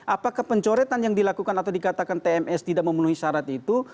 apakah pencoretan yang dilakukan atau dikatakan tms tidak memenuhi syarat itu